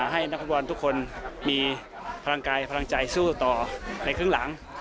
ให้นักฟุตบอลทุกคนมีพลังกายพลังใจสู้ต่อในครึ่งหลัง